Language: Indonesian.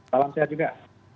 salam sehat juga